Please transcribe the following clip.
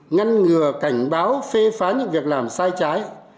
ngăn ngừa cảnh báo phê phán những việc làm sai trái